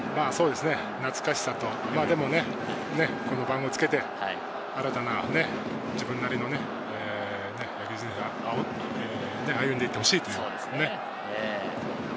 懐かしさとこの番号をつけて、新たな自分なりの野球人生を歩んでいってほしいという。